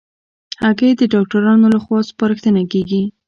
هګۍ د ډاکټرانو له خوا سپارښتنه کېږي.